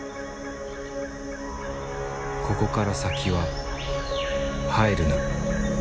ここから先は入るな。